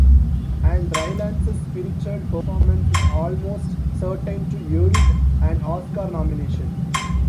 And Rylance's spirited performance is almost certain to yield an Oscar nomination.